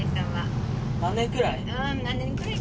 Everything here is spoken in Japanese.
何年くらい？